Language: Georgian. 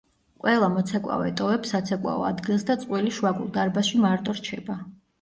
ყველა მოცეკვავე ტოვებს საცეკვაო ადგილს და წყვილი შუაგულ დარბაზში მარტო რჩება.